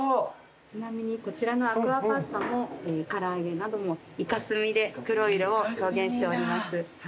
ちなみにこちらのアクアパッツァも唐揚げなどもイカ墨で黒い色を表現しております。